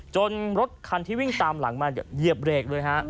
รถคันที่วิ่งตามหลังมาเหยียบเบรกเลยฮะ